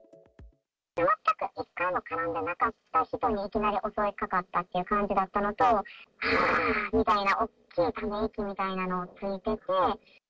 全く一回も絡んでなかった人に、いきなり襲いかかったっていう感じだったのと、はーみたいな、大きいため息みたいなのをついてて。